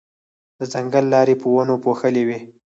د ځنګل لارې په ونو پوښلې وې.